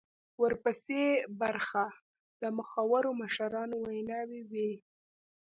ورپسې برخه د مخورو مشرانو ویناوي وې.